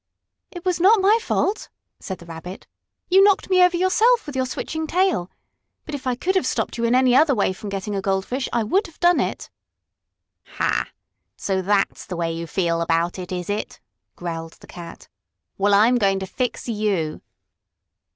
"It was not my fault!" said the Rabbit. "You knocked me over yourself with your switching tail. But if I could have stopped you in any other way from getting a goldfish, I would have done it." "Ha! So that's the way you feel about it, is it?" growled the cat. "Well, I'm going to fix you!"